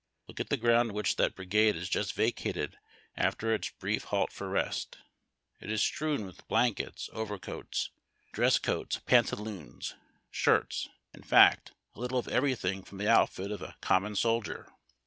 Look at the ground which that brigade has just vacated aftei its brief halt for rest. It is strewn with blankets, overcoats, dress coats, pantaloons, sliirts — in fact, a little of everything from the outfit of the common soldier.